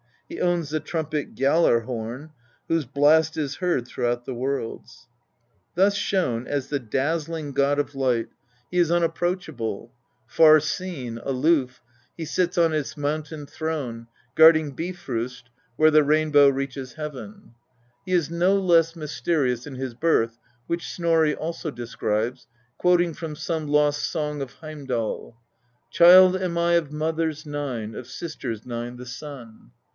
He owns the trumpet Gjailar horn, whose blast is heard throughout the worlds." Thus shown as the dazzling god of light, he is un INTRODUCTION. LV approachable; far seen, aloof, he sits on his mountain throne, guarding Bifrost where the niinbmv reaches heaven. He is no less mysterious in his birth, which Snorri also describes, quoting from some lost " Song of Heimdal ": Child am I of mothers nine, of sisters nine the son.